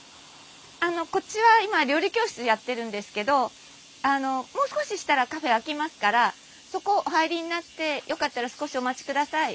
あのこっちは今料理教室やってるんですけどあのもう少ししたらカフェ開きますからそこお入りになってよかったら少しお待ちください。